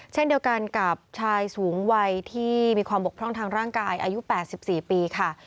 เช่นเดียวกันกับชายสูงวัยที่มีความบกพร่องทางร่างกายอายุ๘๔ปีค่ะ